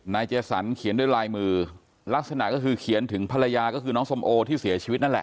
เจสันเขียนด้วยลายมือลักษณะก็คือเขียนถึงภรรยาก็คือน้องส้มโอที่เสียชีวิตนั่นแหละ